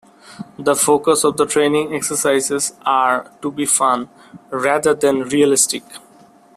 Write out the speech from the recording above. The focus of the training exercises are to be fun, rather than realistic.